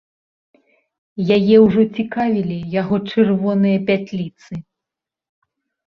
Яе ўжо цікавілі яго чырвоныя пятліцы.